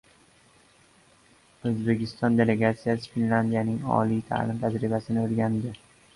O‘zbekiston delegatsiyasi Finlyandiyaning oliy ta’lim tajribasini o‘rgandi